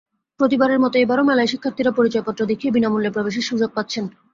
প্রতিবারের মতো এবারও মেলায় শিক্ষার্থীরা পরিচয়পত্র দেখিয়ে বিনা মূল্যে প্রবেশের সুযোগ পাচ্ছেন।